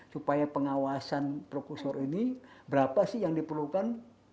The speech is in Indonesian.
supaya pengawasan prokusur ini berapa sih yang diperlukan